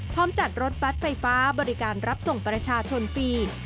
พร้อมจัดรถบัตรไฟฟ้าบริการรับส่งประชาชนฟรี